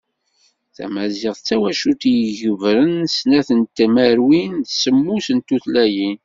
Tamaziɣt d tawacult i yegebren snat n tmerwin d semmus n tutlayin.